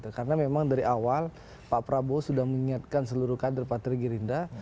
karena memang dari awal pak prabowo sudah mengingatkan seluruh kader partai gerindra